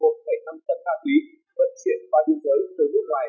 ngày một mươi ba tháng chín tối tượng nguyễn thanh tăng bị bắt quả tán